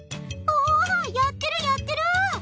おぉやってるやってる！